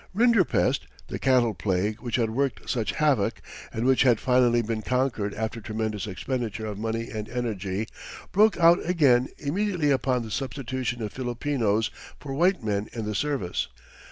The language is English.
Rinderpest, the cattle plague which had worked such havoc and which had finally been conquered after tremendous expenditure of money and energy, broke out again immediately upon the substitution of Filipinos for white men in the service.